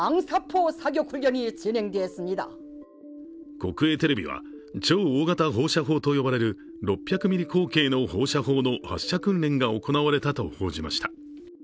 国営テレビは、超大型放射砲と呼ばれる６００ミリ口径の放射砲の発射訓練が行われたと報じました。